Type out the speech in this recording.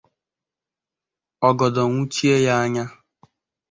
ọgọdọ nwụchie ya anya